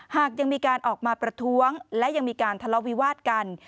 หากยังมีการออกมาประท้วงและยังมีการทะเลาวิวาสกัน